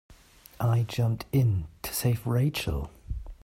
I jumped in to save Rachel.